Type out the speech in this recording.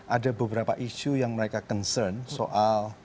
ada beberapa isu yang mereka concern soal